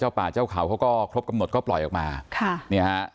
ป่าเจ้าเขาเขาก็ครบกำหนดก็ปล่อยออกมาค่ะเนี่ยฮะ